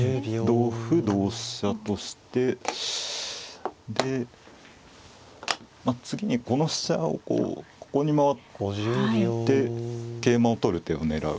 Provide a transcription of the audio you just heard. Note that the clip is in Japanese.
同歩同飛車としてで次にこの飛車をこうここに回って桂馬を取る手を狙う。